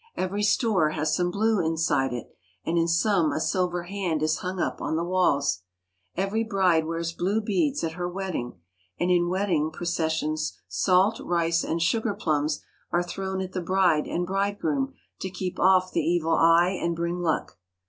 Every store has some blue inside it, and in some a silver hand is hung up on the walls. Every bride wears blue beads at her wedding, and in wedding pro cessions salt, rice, and sugar plums are thrown at the bride and bridegroom to keep off the evil eye and bring luck.